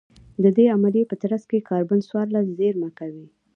د دې عملیې په ترڅ کې کاربن څوارلس زېرمه کوي